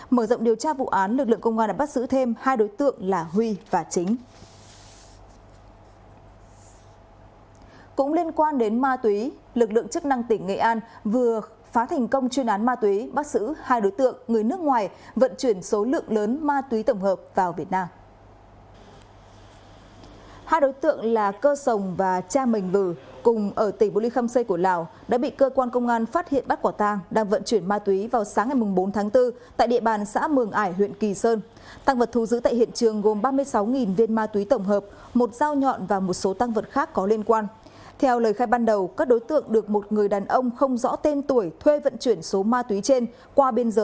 mở rộng điều tra vụ án lực lượng công an đã bắt sử thêm hai đối tượng là huy và chính